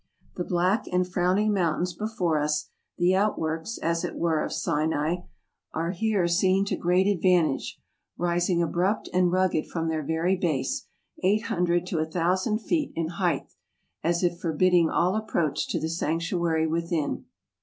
The black and frowning mountains before us, the outworks, as it were, of Sinai, are here seen to great advantage, rising abrupt and rugged from their very base, eight hundred to a thousand feet in height; as if forbidding all approach to the sanc¬ tuary within.